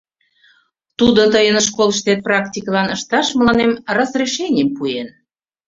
Тудо тыйын школышкет практикылан ышташ мыланем разрешенийым пуэн...